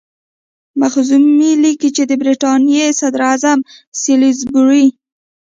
مخزومي لیکي چې د برټانیې صدراعظم سالیزبوري.